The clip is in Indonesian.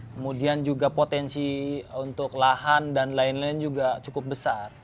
kemudian juga potensi untuk lahan dan lain lain juga cukup besar